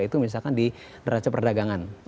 itu misalkan di neraca perdagangan